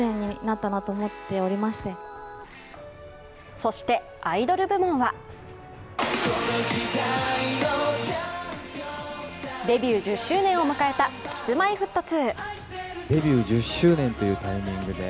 そして、アイドル部門はデビュー１０周年を迎えたＫｉｓ−Ｍｙ−Ｆｔ２。